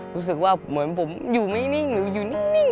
รู้สึกว่าเหมือนผมอยู่ไม่นิ่งหรืออยู่นิ่ง